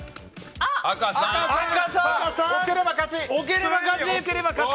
置ければ勝ち！